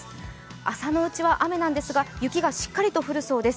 朝のうちは雨なんですが雪がしっかりと降るそうです。